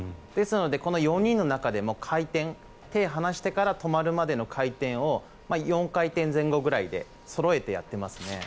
ですのでこの４人の中でも回転手を離してから止まるまでの回転を４回転前後ぐらいでそろえてやってますね。